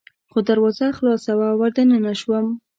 خو دروازه خلاصه وه، ور دننه شوم.